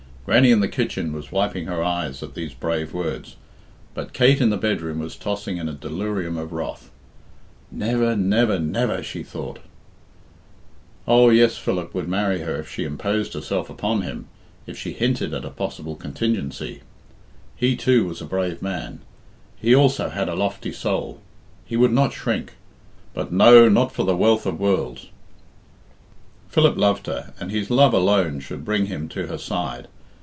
Grannie in the kitchen was wiping her eyes at these brave words, but Kate in the bedroom was tossing in a delirium of wrath. "Never, never, never!" she thought. Oh, yes, Philip would marry her if she imposed herself upon him, if she hinted at a possible contingency. He, too, was a brave man; he also had a lofty soul he would not shrink. But no, not for the wealth of worlds. Philip loved her, and his love alone should bring him to her side.